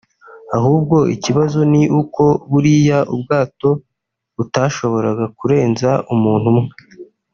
ahubwo ikibazo ni uko buriya bwato butashoboraga kurenza umuntu umwe